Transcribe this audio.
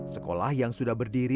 sekolah yang sudah berakhir